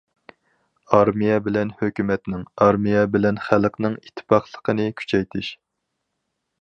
ئارمىيە بىلەن ھۆكۈمەتنىڭ، ئارمىيە بىلەن خەلقنىڭ ئىتتىپاقلىقىنى كۈچەيتىش.